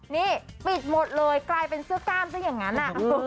นี่ปิดหมดเลยกลายเป็นเสื้อกล้ามซะอย่างนั้น